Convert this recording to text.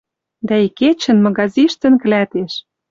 Дӓ ик кечӹн мыгазиштӹн клӓтеш